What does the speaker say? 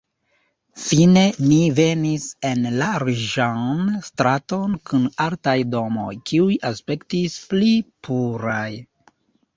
Fine ni venis en larĝan straton kun altaj domoj, kiuj aspektis pli puraj.